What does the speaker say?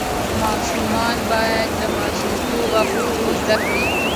ماشومان باید له ماشومتوبه پښتو زده کړي.